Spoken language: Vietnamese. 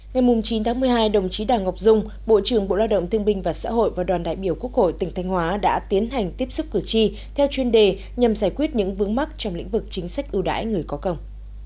ngày chín tháng một mươi hai đồng chí đảng ngọc dung bộ trưởng bộ lao động thương binh và xã hội và đoàn đại biểu quốc hội tỉnh thanh hóa đã tiến hành tiếp xúc cử tri theo chuyên đề nhằm giải quyết những vướng mắc trong lĩnh vực chính sách ưu đãi người có công